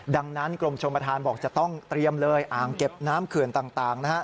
ดังนั้นกรมชมประธานบอกจะต้องเตรียมเลยอ่างเก็บน้ำเขื่อนต่างนะฮะ